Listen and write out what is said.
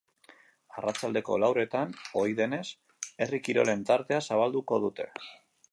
Arratsaldeko lauretan, ohi denez, herri kirolen tartea zabalduko dute.